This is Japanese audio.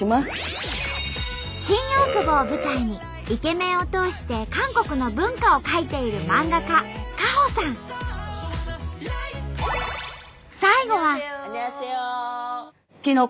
新大久保を舞台にイケメンを通して韓国の文化を描いている漫画家アンニョンハセヨ。